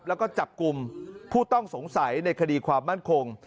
แล้วก็จับกลุ่มผู้ต้องสงสัยในคดีความมั่นคง